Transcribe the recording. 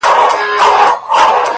ستا د يوې لپي ښكلا په بدله كي ياران’